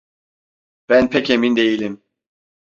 Ben pek emin değilim.